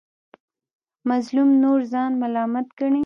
مظلوم نور ځان ملامت ګڼي.